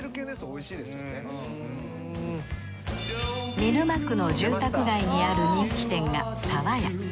見沼区の住宅街にある人気店がさわ屋。